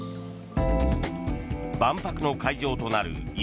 万博の会場となる夢